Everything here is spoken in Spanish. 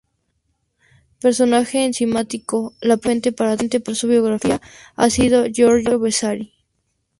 Personaje enigmático, la principal fuente para trazar su biografía ha sido Giorgio Vasari.